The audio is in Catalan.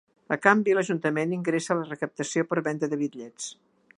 A canvi l'Ajuntament ingressa la recaptació per venda de bitllets.